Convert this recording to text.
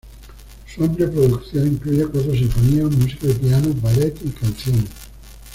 Su amplia producción incluye cuatro sinfonías, música de piano, ballet y canciones.